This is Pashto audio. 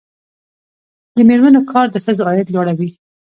د میرمنو کار د ښځو عاید لوړوي.